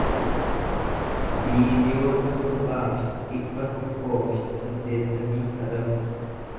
biiliyoona torbaa fi dhibba tokkoo fi saddeettamii sagal